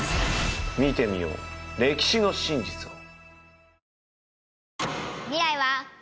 見てみよう歴史の真実を。